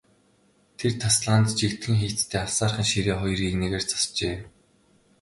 Тэр тасалгаанд жигдхэн хийцтэй авсаархан ширээ хоёр эгнээгээр засжээ.